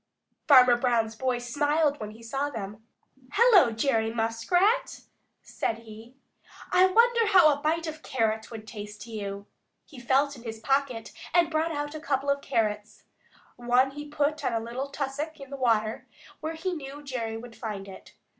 Farmer Brown's boy smiled when he saw them. "Hello, Jerry Muskrat!" said he. "I wonder how a bite of carrot would taste to you." He felt in his pocket and brought out a couple of carrots. One he put on a little tussock in the water where he knew Jerry would find it.